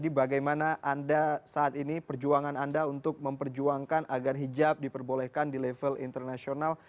bagaimana perjuangan anda untuk memperjuangkan agar hijab diperbolehkan di level internasional